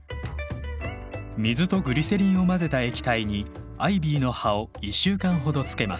水とグリセリンを混ぜた液体にアイビーの葉を１週間ほどつけます。